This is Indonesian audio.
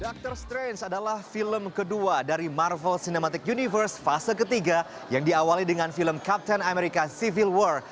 doctor strange adalah film kedua dari marvel cinematic universe fase ketiga yang diawali dengan film captain america civil war